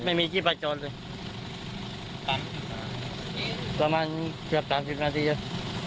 ไม่มีที่ไปจอดเลยประมาณเกือบสามสิบนาทีแล้ว